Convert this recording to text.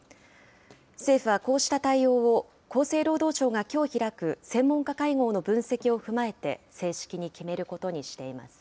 政府はこうした対応を、厚生労働省がきょう開く専門家会合の分析を踏まえて正式に決めることにしています。